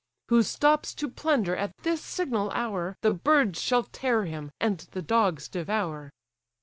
Who stops to plunder at this signal hour, The birds shall tear him, and the dogs devour."